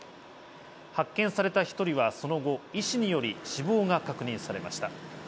発見された１人はその後、医師により死亡が確認されました。